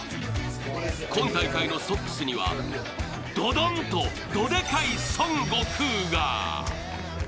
今大会のソックスにはドドンと、どでかい孫悟空が。